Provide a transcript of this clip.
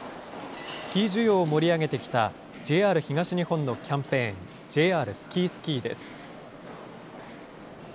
スキー需要を盛り上げてきた、ＪＲ東日本のキャンペーン、ＪＲＳＫＩＳＫＩです。